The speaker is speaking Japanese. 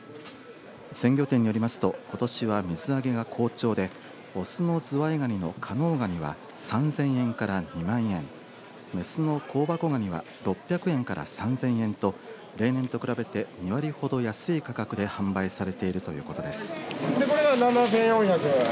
鮮魚店によりますとことしは水揚げが好調で雄のズワイガニの加能ガニは３０００円から２万円雌の香箱ガニは６００円から３０００円と例年と比べて２割ほど安い価格で販売されているということです。